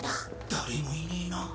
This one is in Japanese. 誰もいねえな。